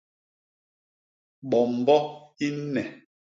Bombo i nne.